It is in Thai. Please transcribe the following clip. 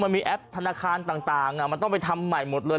มันมีแอปธนาคารต่างมันต้องไปทำใหม่หมดเลย